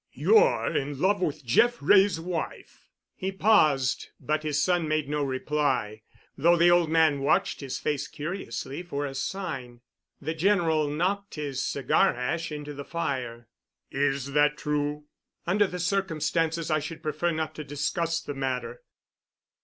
You're in love with Jeff Wray's wife." He paused, but his son made no reply, though the old man watched his face curiously for a sign. The General knocked his cigar ash into the fire. "Is that true?" "Under the circumstances I should prefer not to discuss the matter."